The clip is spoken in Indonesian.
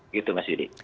gitu mas yudi